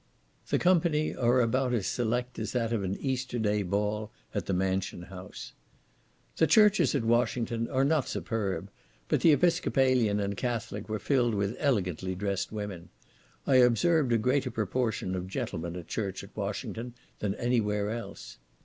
The company are about as select as that of an Easter day ball at the Mansion house. The churches at Washington are not superb; but the Episcopalian and Catholic were filled with elegantly dressed women. I observed a greater proportion of gentlemen at church at Washington than any where else.